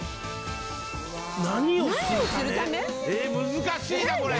難しいなこれ。